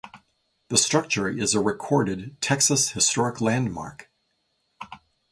The structure is a Recorded Texas Historic Landmark.